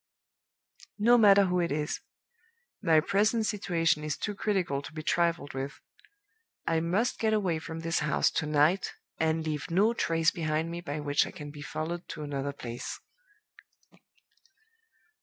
No matter who it is; my present situation is too critical to be trifled with. I must get away from this house to night, and leave no trace behind me by which I can be followed to another place."